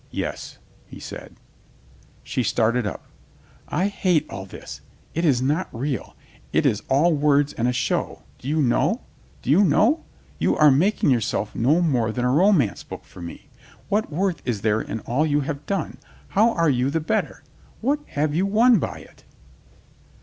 "Yes," he said. She started up. "I hate all this. It is not real. It is all words and a show. Do you know? Do you know? You are; making yourself no more than a ro mance book for me. What worth is there in all you have done? How are you the better? What have you won by it?"